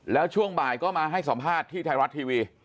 แล้วช่วงบ่ายก็มาให้สัมภาษณ์ที่ไทยรัฐทีวี